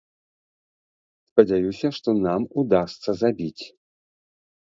Спадзяюся, што нам удасца забіць.